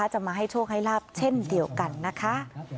จะมาให้โชคให้ลาบเช่นเดียวกันนะคะ